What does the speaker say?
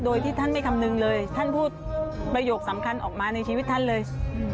โดยที่ท่านไม่คำนึงเลยท่านพูดประโยคสำคัญออกมาในชีวิตท่านเลย